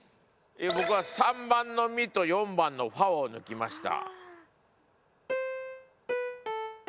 ボクは３番のミと４番のファを抜きました。